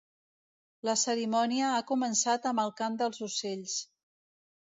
La cerimònia ha començat amb ‘El cant dels ocells’.